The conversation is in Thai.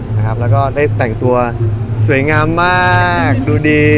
แล้วก็ได้แต่งตัวสวยงามมากดูดี